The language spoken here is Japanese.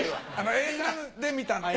映画で見たの？